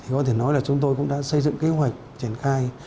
có thể nói là chúng tôi cũng đã xây dựng kế hoạch triển khai